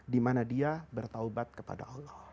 dimana dia bertaubat kepada allah